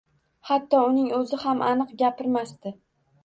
Hatto uning oʻzi ham aniq gapirmasdi.